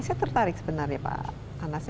saya tertarik sebenarnya pak anas